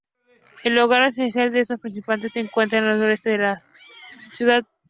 El hogar ancestral de estos príncipes se encuentra al suroeste de la ciudad.